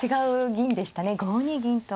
５二銀と。